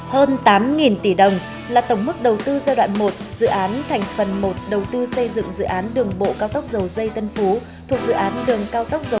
hơn tám tỷ đồng là tổng mức đầu tư giai đoạn một dự án thành phần một đầu tư xây dựng dự án đường bộ cao tốc dầu dây tân phú thuộc dự án đường cao tốc dầu